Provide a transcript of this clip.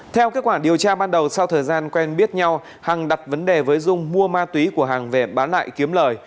theo kết quả điều tra ban đầu sau thời gian quen biết nhau hằng đặt vấn đề với dung mua ma túy của hằng về bán lại kiếm lời